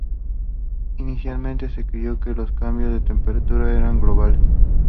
Inicialmente se creyó que los cambios de temperatura eran globales.